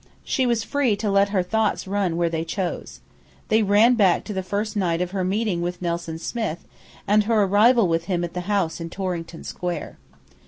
She was free to let her thoughts run where they chose. They ran back to the first night of her meeting with Nelson Smith, and her arrival with him at the house in Torrington Square.